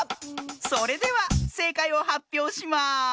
それではせいかいをはっぴょうします。